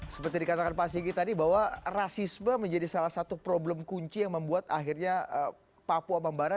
seperti dikatakan pak sigi tadi bahwa rasisme menjadi salah satu problem kunci yang membuat akhirnya papua membara